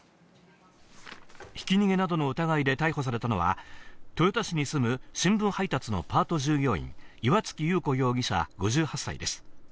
ひき逃げなどの疑いで逮捕されたのは、豊田市に住む新聞配達のパート従業員、岩附裕子容疑者５８歳です。